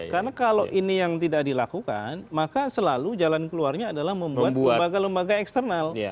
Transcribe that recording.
karena kalau ini yang tidak dilakukan maka selalu jalan keluarnya adalah membuat lembaga lembaga eksternal